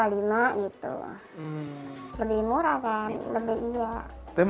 lebih murah kan lebih iya